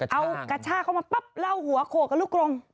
เอากระชากเข้ามาปั๊บเล่าหัวโขกกับลูกกรง